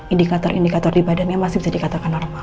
indikator indikator di badannya masih bisa dikatakan normal